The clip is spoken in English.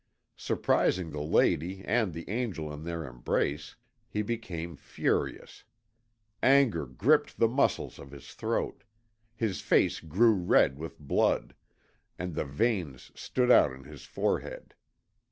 Surprising the lady and the angel in their embrace, he became furious; anger gripped the muscles of his throat, his face grew red with blood, and the veins stood out on his forehead.